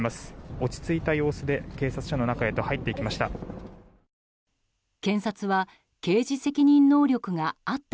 落ち着いた様子で警察署の中へと入っていきました。